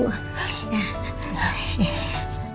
jangan nangis ya bu